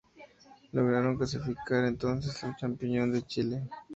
Lograron clasificar entonces al "Champion de Chile".